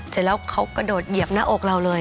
เสร็จแล้วเขากระโดดเหยียบหน้าอกเราเลย